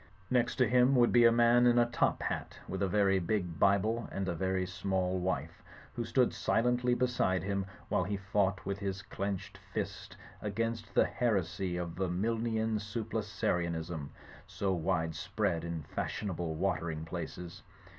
Next to him would be a man in a top hat with a very big Bible and a very small wife, who stood silently beside him, while he fought with his clenched fist against the heresy of Milnian Sublapsarianism so wide spread in fashionable watering places.